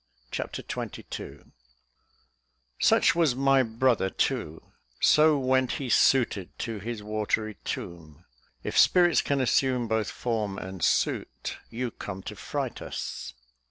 Chapter XXII Such was my brother too, So went he suited to his watery tomb: If spirits can assume both form and suit, You come to fright us.